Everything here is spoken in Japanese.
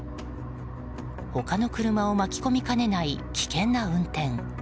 他の車を巻き込みかねない危険な運転。